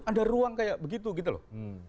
ada ruang kayak begitu gitu loh